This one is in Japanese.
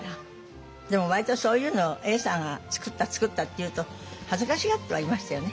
でも割とそういうの「永さんが作った作った」って言うと恥ずかしがってはいましたよね